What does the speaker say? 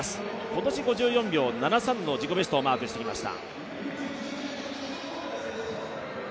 今年５４秒７３の自己ベストをマークしてきました。